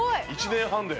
１年半で。